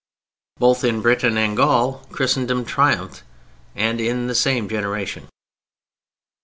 Both in Britain and Gaul Christendom triumphed and in the same generation.